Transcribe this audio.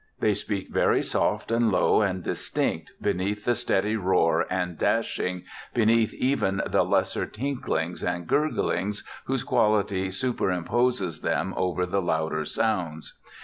They speak very soft and low and distinct beneath the steady roar and dashing, beneath even the lesser tinklings and gurglings whose quality superimposes them over the louder sounds.